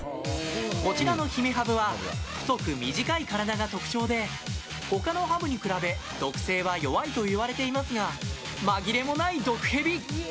こちらのヒメハブは太く短い体が特徴で他のハブに比べ毒性は弱いといわれていますがまぎれもない毒蛇。